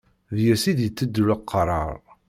Deg-s i d-iteddu leqrar.